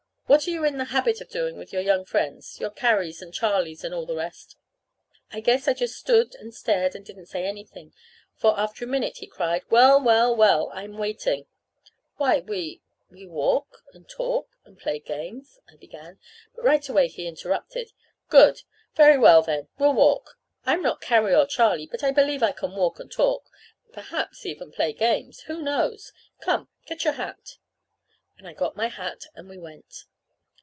What are you in the habit of doing with your young friends your Carries and Charlies, and all the rest?" I guess I just stood and stared and didn't say anything; for after a minute he cried: "Well well well? I'm waiting." "Why, we we walk and talk and play games," I began; but right away he interrupted. "Good! Very well, then, we'll walk. I'm not Carrie or Charlie, but I believe I can walk and talk perhaps even play games. Who knows? Come, get your hat." And I got my hat, and we went.